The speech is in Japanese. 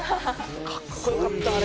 かっこよかったあれ。